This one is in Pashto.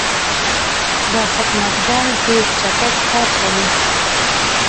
دا خدمتګر ډېر چټک کار کوي.